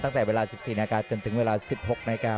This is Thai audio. ตั้งแต่เวลา๑๔นาทีจนถึงเวลา๑๖นาฬิกา